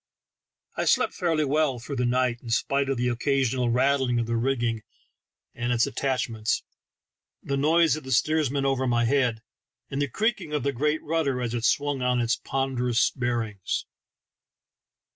I slept fairly well through the night in spite of the occasional rattling of the rigging and its attachments, the noise of the steersman over my head, and the creaking of the great rudder as it swung on its ponderous bearings.